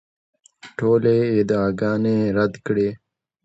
ټولې ادعاګانې رد کړې.